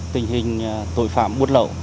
tình hình tội phạm buốt lậu